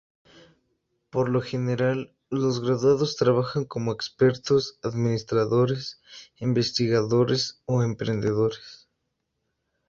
Por lo general, los graduados trabajan como expertos, administradores, investigadores o emprendedores.